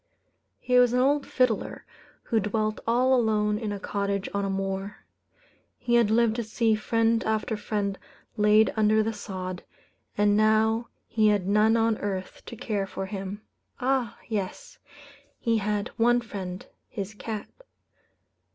He was an old fiddler, who dwelt all alone in a cottage on a moor. He had lived to see friend after friend laid under the sod, and now he had none on earth to care for him. Ah! yes; he had one friend his cat.